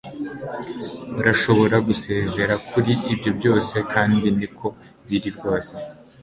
Barashobora gusezera kuri ibyo byose kandi niko biri rwose